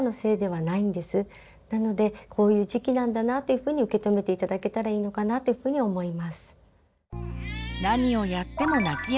なのでこういう時期なんだなというふうに受け止めて頂けたらいいのかなというふうに思います。